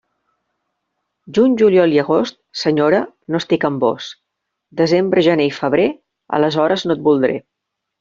Juny, juliol i agost, senyora, no estic amb vós; desembre, gener i febrer, aleshores no et voldré.